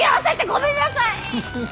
ごめんなさいいっ。